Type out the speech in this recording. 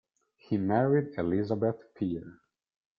He married Elizabeth Peer.